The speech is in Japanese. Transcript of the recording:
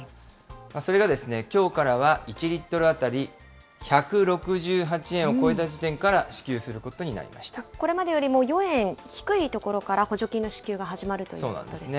それがきょうからは、１リットル当たり１６８円を超えた時点からこれまでよりも４円低い所から、補助金の支給が始まるということなんですね。